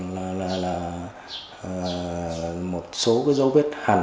là một số dấu vết hẳn